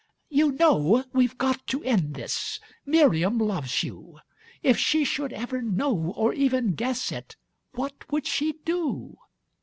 'You knowâwe've got to end thisâMiriam loves you.... If she should ever know, or even guess it, What would she do?